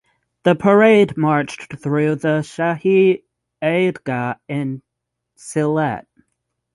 The parade marched through the Shahi Eidgah in Sylhet.